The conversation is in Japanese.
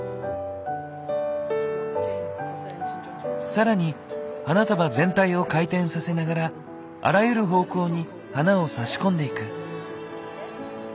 更に花束全体を回転させながらあらゆる方向に花を差し込んでいく。